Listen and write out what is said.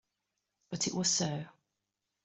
But it was so.